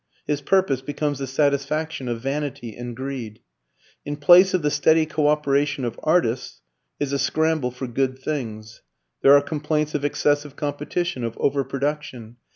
His purpose becomes the satisfaction of vanity and greed. In place of the steady co operation of artists is a scramble for good things. There are complaints of excessive competition, of over production.